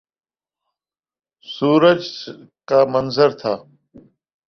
سورج ل کا منظر تھا